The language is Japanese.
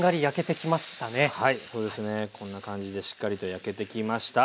こんな感じでしっかりと焼けてきました。